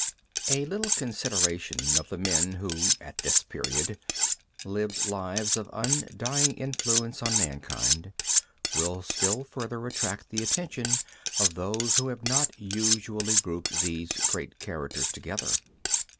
A little consideration of the men who, at this period, lived lives of undying influence on mankind, will still further attract the attention of those who have not usually grouped these great characters together.